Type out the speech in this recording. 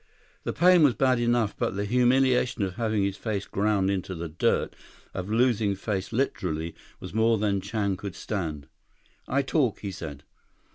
The pain was bad enough, but the humiliation of having his face ground into the dirt, of losing face literally, was more than Chan could stand. "I talk," he said.